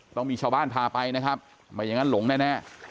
ต้องมีชาวบ้านพาไปนะครับไม่อย่างนั้นหลงแน่